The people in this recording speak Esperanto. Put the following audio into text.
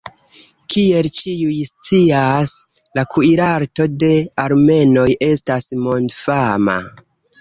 Kiel ĉiuj scias, la kuirarto de armenoj estas mondfama.